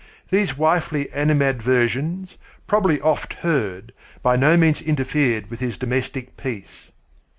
These wifely animadversions, probably oft heard, by no means interfered with his domestic peace.